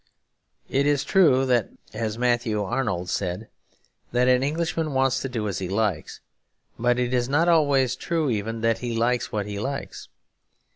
It is true, as Matthew Arnold said, that an Englishman wants to do as he likes; but it is not always true even that he likes what he likes.